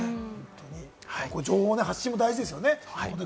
情報発信も大事ですね。